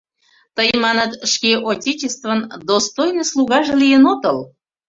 Тый, маныт, шке отечествын достойный слугаже лийын отыл?